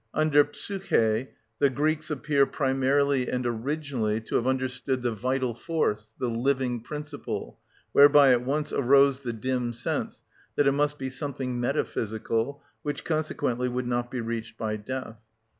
Under ψυχη the Greeks appear primarily and originally to have understood the vital force, the living principle, whereby at once arose the dim sense that it must be something metaphysical, which consequently would not be reached by death.